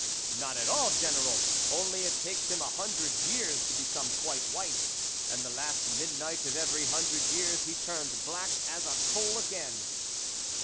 " Not at all, General ; only it takes him a hundred years to become quite white, and the last midnight of every hundred years, he turns black as a coal again."